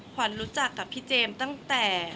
ขวัญรู้จักกับพี่เจมส์ตั้งแต่